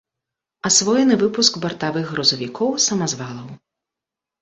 Асвоены выпуск бартавых грузавікоў, самазвалаў.